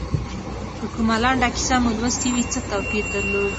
که کومه لنډه کیسه مو لوستي وي څه توپیر درلود.